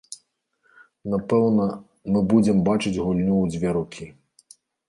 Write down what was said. Напэўна, мы будзем бачыць гульню ў дзве рукі.